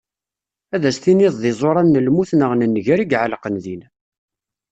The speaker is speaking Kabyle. Ad as-tinniḍ d iẓuran n lmut naɣ n nnger i iɛelqen din.